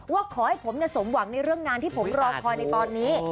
ว่าขอให้ผมสมหวังในเรื่องงานที่ผมรอคอยในตอนนี้